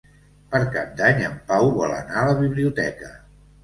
Per Cap d'Any en Pau vol anar a la biblioteca.